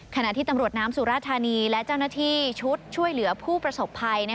ขณะที่ตำรวจน้ำสุราธานีและเจ้าหน้าที่ชุดช่วยเหลือผู้ประสบภัย